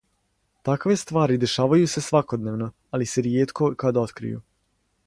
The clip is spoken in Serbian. Такве ствари дешавају се свакодневно, али се ријетко кад открију.